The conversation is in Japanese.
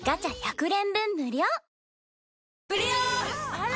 あら！